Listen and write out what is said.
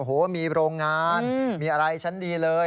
โอ้โหมีโรงงานมีอะไรชั้นดีเลย